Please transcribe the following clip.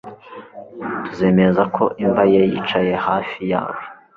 tuzemeza ko imva ye yicaye hafi yawe